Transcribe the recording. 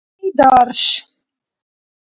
кӀидарш